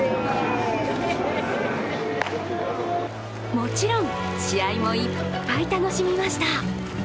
もちろん、試合もいっぱい楽しみました。